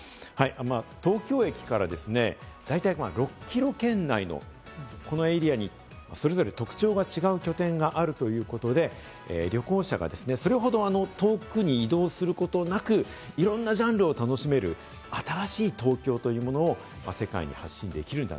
東京駅から大体６キロ圏内のこのエリアにそれぞれ特徴が違う拠点があるということで、旅行者がそれほど遠くに移動することなく、いろんなジャンルを楽しめる、新しい東京というものを世界に発信できる。